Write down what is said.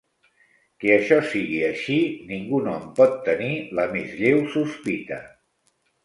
Que això sigui així, ningú no en pot tenir la més lleu sospita.